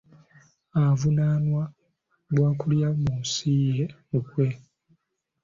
Avunaanwa gwa kulya mu nsi ye olukwe.